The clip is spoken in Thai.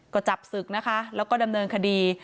ก็จับศึกนะคะแล้วก็ดำเนินคดี